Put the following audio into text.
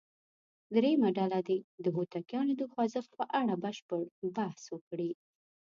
درېمه ډله دې د هوتکیانو د خوځښت په اړه بشپړ بحث وکړي.